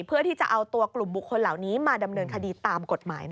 เพื่อที่จะเอาตัวกลุ่มบุคคลเหล่านี้มาดำเนินคดีตามกฎหมาย